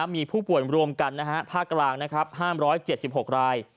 มีผู้ป่วยรวมกันภาคกลาง๕๗๖ราย